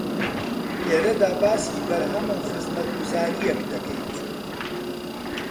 لێرەدا باسی بەرهەم و خزمەتگوزارییەک دەکەیت